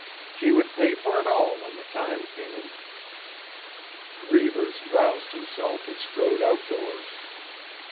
She would pay for it all when the time came. Reivers roused himself and strode outdoors.